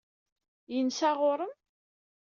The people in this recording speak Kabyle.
Yensa ɣur-m?